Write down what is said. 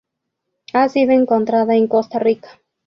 Ha sido encontrada en Costa Rica.